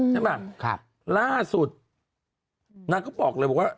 ใช่ไหมล่าสุดนางก็บอกเลยว่า